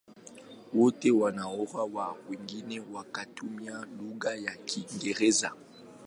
Wote wana uraia wa Uingereza wakitumia lugha ya Kiingereza.